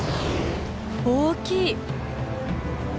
大きい！